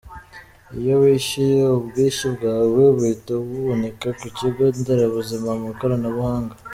Iyo wishyuye ubwishyu bwawe buhita buboneka ku kigo nderabuzima mu ikoranabuhanga.